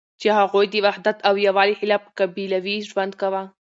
چی هغوی د وحدت او یوالی خلاف قبیلوی ژوند کاوه